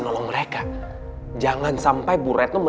apapun seperti qur inulah andabe asli berhentai saya